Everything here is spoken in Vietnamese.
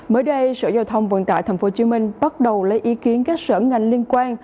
mới đây sở giao thông vận tải tp hcm bắt đầu lấy ý kiến các sở ngành liên quan